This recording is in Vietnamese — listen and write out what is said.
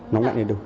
nóng nặng thì được